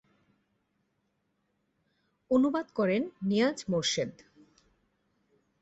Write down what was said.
অনুবাদ করেন নিয়াজ মোরশেদ।